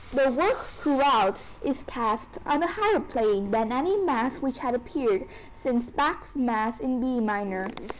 [Musical notation.] The work throughout is cast on a higher plane than any mass which had appeared since Bach's Mass in B minor.